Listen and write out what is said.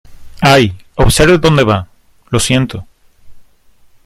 ¡ Ay! ¡ observe donde va !¡ lo siento !